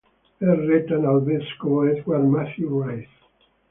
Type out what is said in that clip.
È retta dal vescovo Edward Matthew Rice.